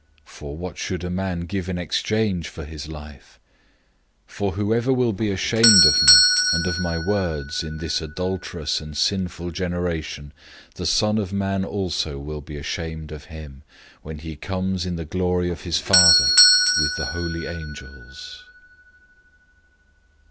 008:037 For what will a man give in exchange for his life? 008:038 For whoever will be ashamed of me and of my words in this adulterous and sinful generation, the Son of Man also will be ashamed of him, when he comes in the glory of his Father with the holy angels."